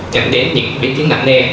dành đến những biến tiến nặng nề